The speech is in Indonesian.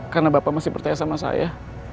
karena bapak masih bertanya sama saya